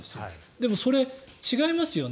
でも、それ、違いますよね。